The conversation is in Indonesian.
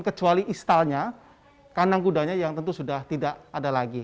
kecuali istalnya kandang kudanya yang tentu sudah tidak ada lagi